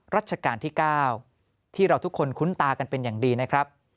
รัชกาลที่๙ที่เราทุกคนคุ้นตากันเป็นอย่างดีนะครับ